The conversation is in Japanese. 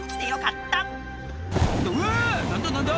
「ってうわ⁉何だ何だ？」